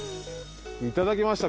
いただきました